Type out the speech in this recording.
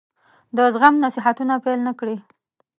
د زغم نصيحتونه پیل نه کړي.